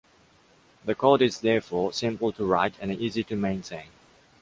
The code is therefore simple to write and easy to maintain.